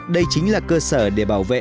đây chính là cơ sở để bảo vệ